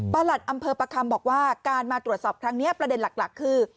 หลัดอำเภอประคำบอกว่าการมาตรวจสอบครั้งนี้ประเด็นหลักคือ